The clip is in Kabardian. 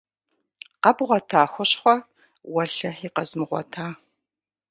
Къэбгъуэта хущхъуэ? - Уэлэхьи, къэзмыгъуэта!